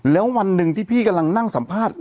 แล้ววันหนึ่งที่พี่กำลังนั่งสัมภาษณ์